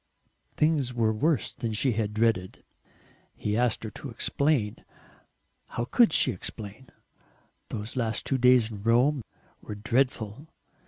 Things were worse than she had dreaded; he asked her to explain. How COULD she explain? Those last two days in Rome were dreadful.